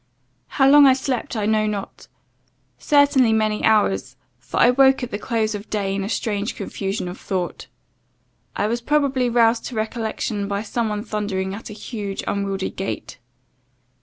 "How long I slept I know not; certainly many hours, for I woke at the close of day, in a strange confusion of thought. I was probably roused to recollection by some one thundering at a huge, unwieldy gate.